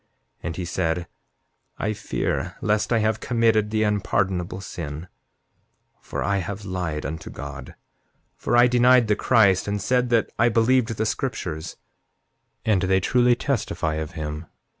7:19 And he said: I fear lest I have committed the unpardonable sin, for I have lied unto God; for I denied the Christ, and said that I believed the scriptures; and they truly testify of him.